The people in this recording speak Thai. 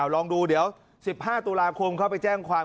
ลองดูเดี๋ยว๑๕ตุลาคมเข้าไปแจ้งความ